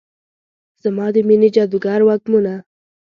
زما د میینې جادوګر وږمونه